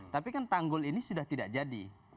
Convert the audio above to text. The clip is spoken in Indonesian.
tapi kan tanggul ini sudah tidak jadi